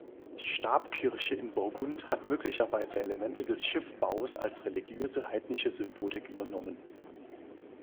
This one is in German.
Die Stabkirche in Borgund hat möglicherweise Elemente des Schiffbaus als religiöse, heidnische Symbolik übernommen.